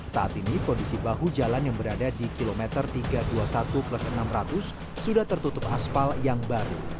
saat ini kondisi bahu jalan yang berada di kilometer tiga ratus dua puluh satu plus enam ratus sudah tertutup aspal yang baru